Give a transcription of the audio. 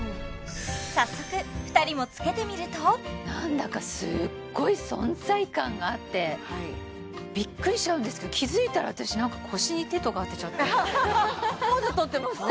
早速２人も着けてみると何だかすっごい存在感があってびっくりしちゃうんですけど気づいたら私なんか腰に手とか当てちゃってポーズとってますね